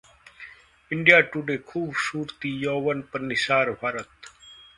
India Today: खूबसूरती-यौवन पर निसार भारत